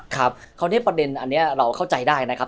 ครับคราวนี้ประเด็นอันนี้เราเข้าใจได้นะครับ